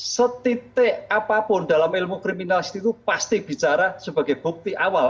setitik apapun dalam ilmu kriminalistis itu pasti bicara sebagai bukti awal